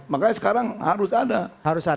makanya sekarang harus ada